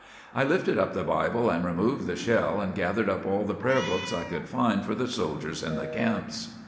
I lifted up the Bible and removed the shell and gathered up all the prayer books I could find for the soldiers in the camps.